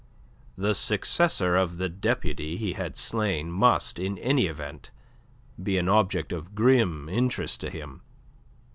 The successor of the deputy he had slain must, in any event, be an object of grim interest to him.